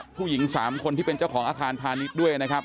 ผู้หญิง๓คนที่เป็นเจ้าของอาคารพาณิชย์ด้วยนะครับ